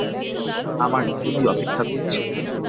আমার নিয়তি অপেক্ষা করছে।